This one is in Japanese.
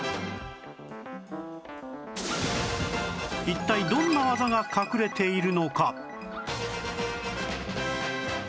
一体どんな技が隠れているのか？